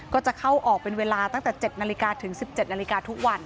ก็จะเข้าออกเป็นเวลาตั้งแต่๗นาฬิกาถึง๑๗นาฬิกาทุกวัน